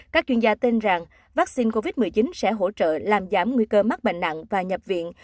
các chuyên gia tin rằng vaccine covid một mươi chín sẽ hỗ trợ làm giảm nguy cơ mắc bệnh nặng và nhập viện